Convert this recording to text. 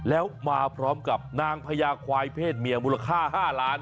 แล้วมาพร้อมกับนางพญาควายเพศเมียมูลค่า๕ล้าน